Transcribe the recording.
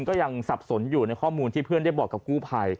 ก็ยังสับสนอยู่ในข้อมูลที่เพื่อนได้บอกกับกู้ภัย